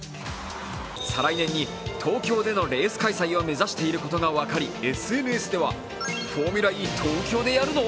再来年に東京でのレース開催を目指していることが分かりＳＮＳでは、フォーミュラＥ東京でやるの？